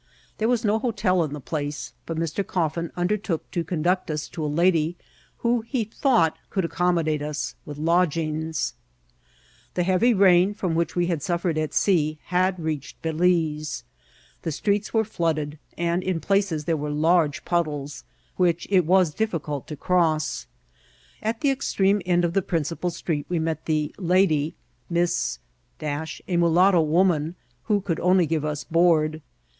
There was no hold in the |rfaee, bnt Mr. Coffin nndertook to eondnct vb to alady viAi»j he thought, could aceomnodate ns with lodgingn The heavy rain from which we had suiiBred at sen had veaohed Balise. The streets weve flooded, and in places thcie were large poddies, which it was difienk to cross* At the extreme end of the principal street we met the ^ Udf^^ Miss , a mulatto woman, who oonld only give ns board.